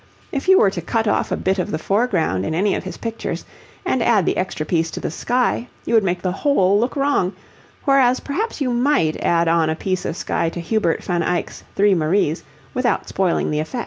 If you were to cut off a bit of the foreground in any of his pictures and add the extra piece to the sky, you would make the whole look wrong, whereas perhaps you might add on a piece of sky to Hubert van Eyck's 'Three Maries' without spoiling the effect.